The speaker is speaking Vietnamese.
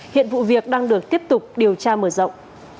hiện vụ việc đang được tiếp tục điều tra mở rộng